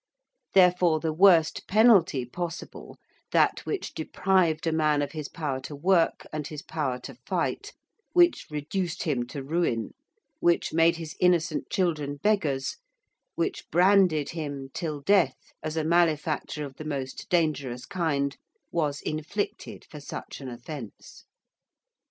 Therefore the worst penalty possible that which deprived a man of his power to work and his power to fight which reduced him to ruin which made his innocent children beggars which branded him till death as a malefactor of the most dangerous kind was inflicted for such an offence.